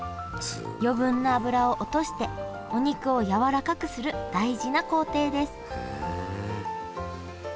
余分な脂を落としてお肉をやわらかくする大事な工程です